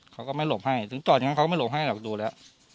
เขาก็ไม่หลบให้ถึงจอดอย่างนั้นเขาก็ไม่หลบให้หรอกดูแล้ว